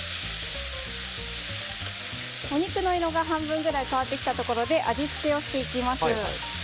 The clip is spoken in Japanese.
お肉の色が半分くらい変わってきたところで味付けをしていきます。